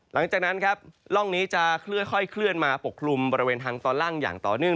หลังจากนั้นครับร่องนี้จะค่อยเคลื่อนมาปกคลุมบริเวณทางตอนล่างอย่างต่อเนื่อง